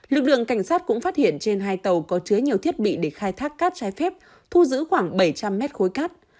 lực lượng cảnh sát cũng phát hiện trên hai tàu có chứa nhiều thiết bị để khai thác cát trái phép thu giữ khoảng bảy trăm linh mét khối cát